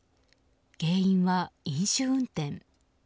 原因は飲酒運転。